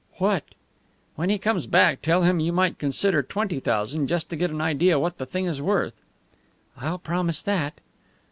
"What?" "When he comes back tell him you might consider twenty thousand, just to get an idea what the thing is worth." "I'll promise that."